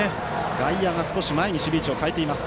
外野が少し前に守備位置を変えています。